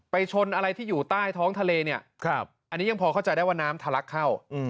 ชนอะไรที่อยู่ใต้ท้องทะเลเนี่ยอันนี้ยังพอเข้าใจได้ว่าน้ำทะลักเข้า